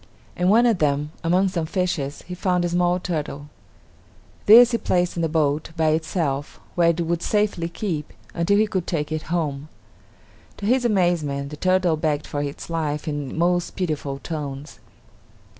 In one of them, among some fishes, he found a small turtle. This he placed in the boat, by itself, where it would safely keep, until he could take it home. To his amazement, the turtle begged for its life in most pitiful tones.